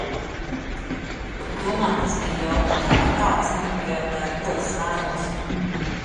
Tu domā tas bija jauki, ka kāds nepajautāja, ko es vēlos?